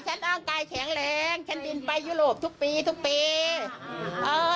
ร่างกายแข็งแรงฉันบินไปยุโรปทุกปีทุกปีเออ